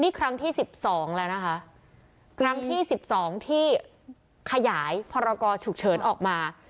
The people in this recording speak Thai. นี่ครั้งที่สิบสองแล้วนะคะครั้งที่๑๒ที่ขยายพรกรฉุกเฉินออกมา